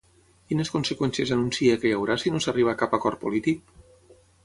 Quines conseqüències anuncia que hi haurà si no s'arriba a cap acord polític?